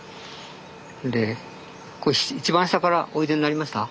それでこれ一番下からおいでになりました？